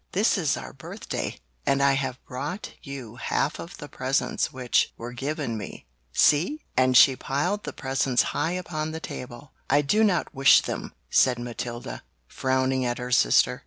"This is our birthday and I have brought you half of the presents which were given me! See?" and she piled the presents high upon the table. "I do not wish them!" said Matilda, frowning at her sister.